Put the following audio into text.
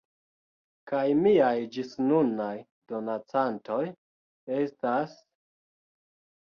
Kaj miaj ĝisnunaj donacantoj estas....